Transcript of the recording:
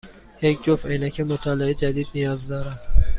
یک جفت عینک مطالعه جدید نیاز دارم.